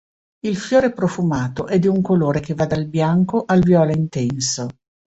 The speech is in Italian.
Il fiore profumato è di un colore che va dal bianco al viola intenso.